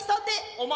おま⁉